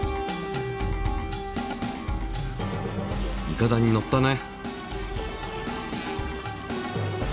いかだに乗ったね！